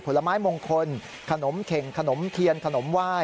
ผลไม้มงคลขนมเค่งขนมเครียร์ขนมว้าย